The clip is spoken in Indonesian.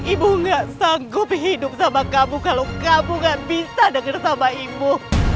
ibu gak sanggup hidup sama kamu kalau kamu gak bisa denger sama ibu